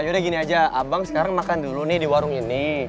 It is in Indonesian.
yaudah gini aja abang sekarang makan dulu nih di warung ini